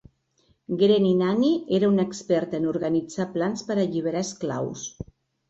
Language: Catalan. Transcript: Granny Nanny era una experta en organitzar plans per alliberar esclaus.